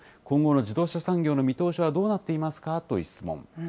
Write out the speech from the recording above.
今後の自動車産業の見通しはどうなっていますかという質問。